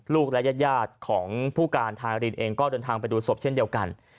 และญาติของผู้การทารินเองก็เดินทางไปดูศพเช่นเดียวกัน